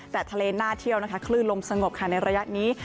แต่ทะเลน่าเที่ยวนะคะคลื่นลมสงบค่ะในระยะนี้